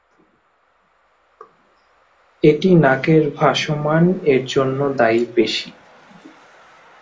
এটি নাকের "ভাসমান" এর জন্য দায়ী পেশী।